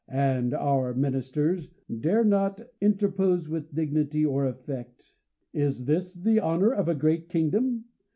and our ministers dare not inter pose with dignity or effect. Is this the honor of a great kingdom